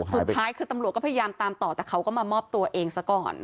สุดท้ายคือตำรวจก็พยายามตามต่อแต่เขาก็มามอบตัวเองซะก่อน